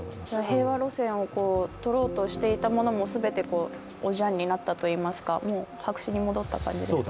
平和路線をとろうとしていたものも全ておじゃんになったといいますかもう白紙に戻った感じですか？